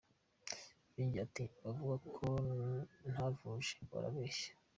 Yongeye ati “Abavuga ko ntavuje, barabeshya.